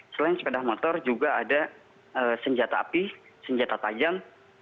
selain sepeda motor juga ada senjata api senjata tajam